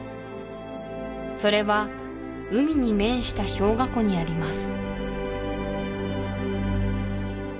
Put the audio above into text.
それは海に面した氷河湖にあります